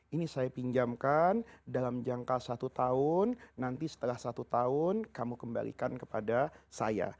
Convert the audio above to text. ini saya pinjamkan dalam jangka satu tahun nanti setelah satu tahun kamu kembalikan kepada saya